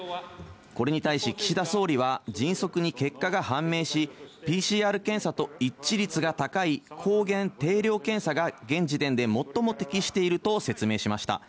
これに対し、岸田総理は迅速に結果が判明し、ＰＣＲ検査と一致率が高い抗原定量検査が現時点で最も適していると説明しました。